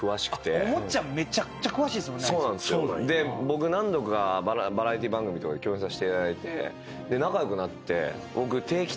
僕何度かバラエティー番組とかで共演させていただいて仲良くなって定期的にうちで。